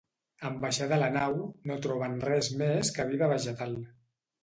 En baixar de la nau, no troben res més que vida vegetal.